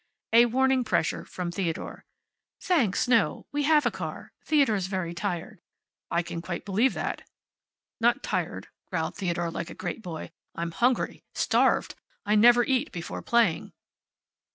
A warning pressure from Theodore. "Thanks, no. We have a car. Theodore's very tired." "I can quite believe that." "Not tired," growled Theodore, like a great boy. "I'm hungry. Starved. I never eat before playing."